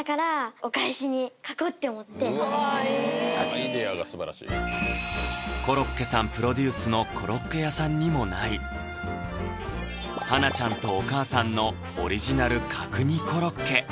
アイデアがすばらしいコロッケさんプロデュースのコロッケ屋さんにもない花奈ちゃんとお母さんのオリジナル角煮コロッケ